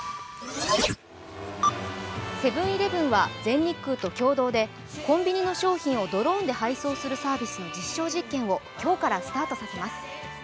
セブン−イレブンは全日空を共同でコンビニの商品をドローンで配送するサービスの実証実験を今日からスタートさせます。